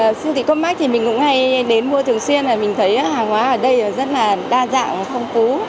phương thị copmark thì mình cũng hay đến mua thường xuyên là mình thấy hàng hóa ở đây rất là đa dạng thông cú